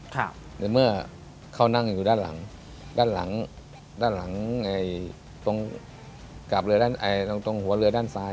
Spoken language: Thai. แต่เมื่อเขานั่งอยู่ด้านหลังด้านหลังตรงหัวเรือด้านซ้าย